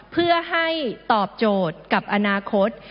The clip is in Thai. เพื่อให้ตอบโจทย์กับอนาคต